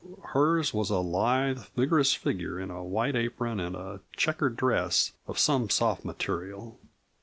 Hers was a lithe, vigorous figure in a white apron and a checkered dress of some soft material.